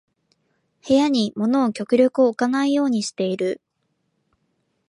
部屋に物を極力置かないようにしてる